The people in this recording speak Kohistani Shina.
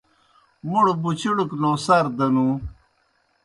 موْڑ بُچُڑَک نوسار دہ نُوں۔